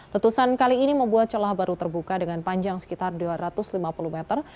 letusan kali ini membuat celah baru terbuka dengan panjang sekitar dua ratus lima puluh meter